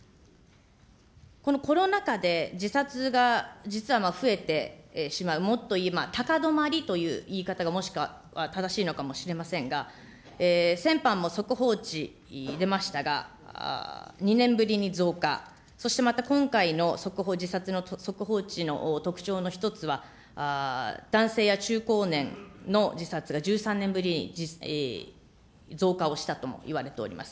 このコロナ禍で、実は自殺が増えてしまう、もっといえば高止まりという言い方がもしくは正しいのかもしれませんが、先般も速報値出ましたが、２年ぶりに増加、そしてまた今回の速報、自殺の速報値の特徴の１つは、男性や中高年の自殺が１３年ぶりに増加をしたともいわれております。